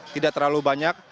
tidak terlalu banyak